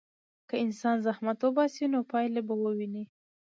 که انسان زحمت وباسي، نو پایله به وویني.